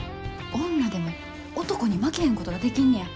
女でも男に負けへんことができんねや。